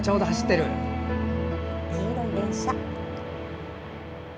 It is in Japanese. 黄色い電車。